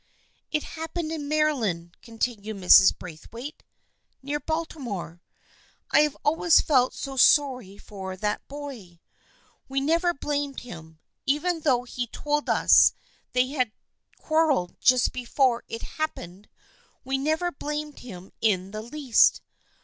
" It happened in Maryland," continued Mrs. Braith waite, " near Baltimore. I have always felt so sorry for that poor boy. We never blamed him. Even though he told us they had quarreled just before it happened we never blamed him in the least.